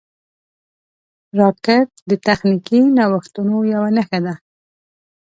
راکټ د تخنیکي نوښتونو یوه نښه ده